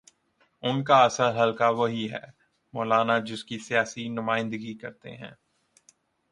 ان کا اصل حلقہ وہی ہے، مولانا جس کی سیاسی نمائندگی کرتے ہیں۔